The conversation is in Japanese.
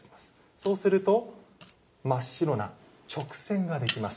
そうすると真っ白な直線ができます。